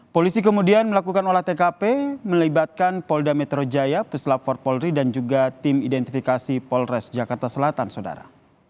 polisi kemudian melakukan olah tkp melibatkan polda metro jaya puslap empat polri dan juga tim identifikasi polres jakarta selatan saudara